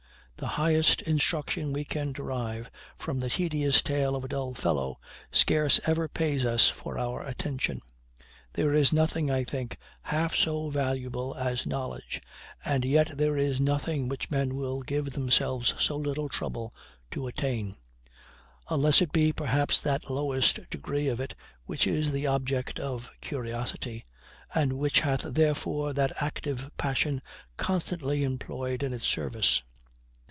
The highest instruction we can derive from the tedious tale of a dull fellow scarce ever pays us for our attention. There is nothing, I think, half so valuable as knowledge, and yet there is nothing which men will give themselves so little trouble to attain; unless it be, perhaps, that lowest degree of it which is the object of curiosity, and which hath therefore that active passion constantly employed in its service.